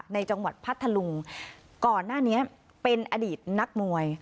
จังหวัดพัทธลุงก่อนหน้านี้เป็นอดีตนักมวย